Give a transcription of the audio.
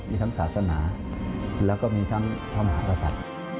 มีทั้งศาสนาแล้วก็มีทั้งธรรมภาษา